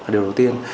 điều đầu tiên